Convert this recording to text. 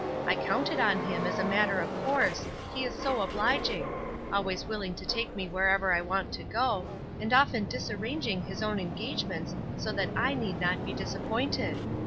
I counted on him as a matter of course, he is so obliging always willing to take me wherever I want to go, and often disarranging his own engagements so that I need not be disappointed.